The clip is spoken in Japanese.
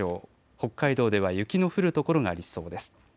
北海道では雪の降る所がありそうです。